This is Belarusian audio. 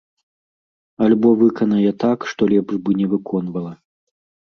Альбо выканае так, што лепш бы не выконвала.